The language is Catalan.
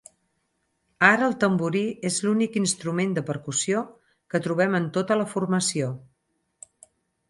Ara el tamborí és l’únic instrument de percussió que trobem en tota la formació.